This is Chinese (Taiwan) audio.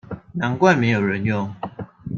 難怪沒有人用